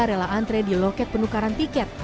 rela antre di loket penukaran tiket